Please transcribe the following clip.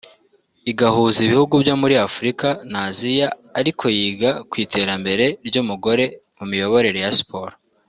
igahuza ibihugu byo muri Afurika n’Aziya ariko yiga ku iterambere ry’umugore mu miyoborere ya Siporo